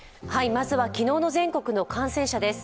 まずは、昨日の全国の感染者です